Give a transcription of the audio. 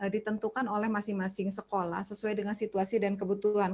ditentukan oleh masing masing sekolah sesuai dengan situasi dan kebutuhan